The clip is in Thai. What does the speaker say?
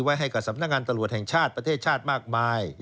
ไว้ให้กับสำนักงานตำรวจแห่งชาติประเทศชาติมากมาย